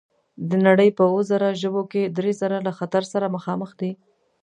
د نړۍ په اووه زره ژبو کې درې زره له خطر سره مخامخ دي.